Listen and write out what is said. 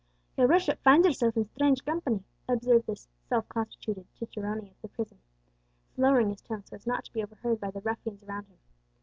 "Your worship finds yourself in strange company," observed this self constituted cicerone of the prison, lowering his tone so as not to be overheard by the ruffians around him.